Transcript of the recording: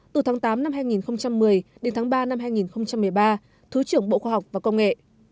từ tháng tám năm hai nghìn một mươi đến tháng ba năm hai nghìn một mươi ba thứ trưởng bộ khoa học và công nghệ